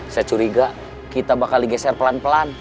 saya curiga kita bakal digeser pelan pelan